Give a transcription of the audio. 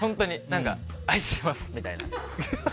愛してますみたいな。